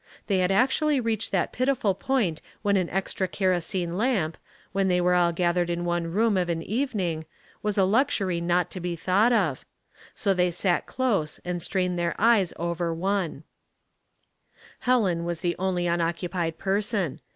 They had actually reached that pitiful point when an extra kerosene lamp, when they were all gathered in one loom of an even ing, was a luxury not to be thought of; so they bat close and strained their eyes over one. 348 Household Puzzles, Helen was the only unoccupied person.